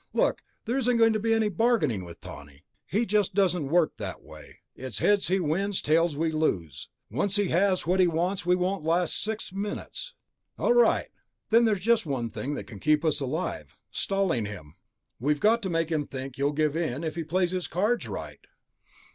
Look, there isn't going to be any bargaining with Tawney, he just doesn't work that way. It's heads he wins, tails we lose. Once he has what he wants we won't last six minutes. All right, then there's just one thing that can keep us alive ... stalling him. We've got to make him think you'll give in if he plays his cards right."